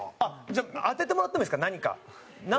じゃあ当ててもらってもいいですか？何か。